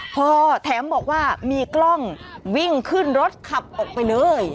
พอแถมบอกว่ามีกล้องวิ่งขึ้นรถขับออกไปเลย